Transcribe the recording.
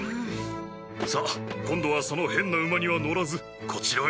さあ今度はその変な馬には乗らずこちらへ。